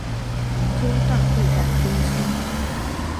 杭州大会展中心